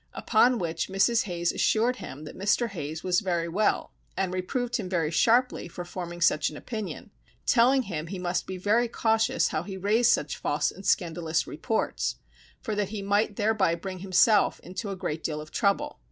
Upon which Mrs. Hayes assured him that Mr. Hayes was very well and reproved him very sharply for forming such an opinion, telling him he must be very cautious how he raised such false and scandalous reports, for that he might thereby bring himself into a great deal of trouble.